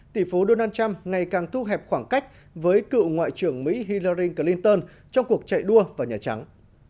tỷ phú donald trump ngày càng thu hẹp khoảng cách với cựu ngoại trưởng mỹ hillaring clinton trong cuộc chạy đua vào nhà trắng